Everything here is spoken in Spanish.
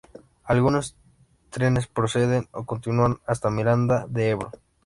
Algunos trenes proceden o continúan hasta Miranda de Ebro.